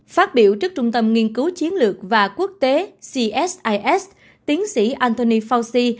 phát biểu trước trung tâm nghiên cứu chiến lược và quốc tế csis tiến sĩ antony fauci